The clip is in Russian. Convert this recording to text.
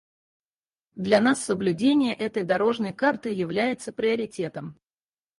Для нас соблюдение этой «дорожной карты» является приоритетом.